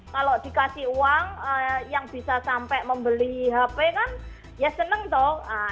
kalau dikasih uang yang bisa sampai membeli hp kan ya seneng dong